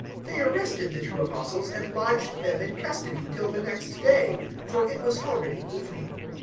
004:003 They arrested the two Apostles and lodged them in custody till the next day; for it was already evening.